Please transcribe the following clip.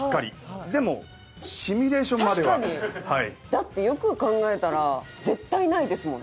だってよく考えたら絶対ないですもんね。